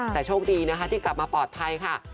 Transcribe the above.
แต่โชคดีนะคะที่กลับมาปลอดภัยค่ะ